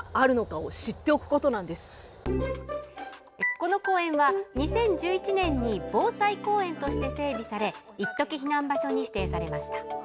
この公園は、２０１１年に防災公園として整備されいっとき避難場所に指定されました。